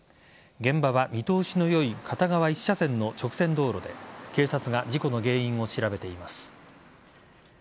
現場は見通しの良い片側１車線の直線道路で警察が事故の原因を調べています。